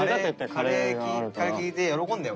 カレー聞いて喜んだよ。